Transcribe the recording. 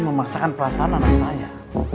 memaksakan perasaan anak saya